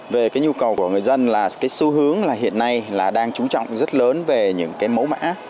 về cái nhu cầu của người dân là cái xu hướng là hiện nay là đang trú trọng rất lớn về những cái mẫu mã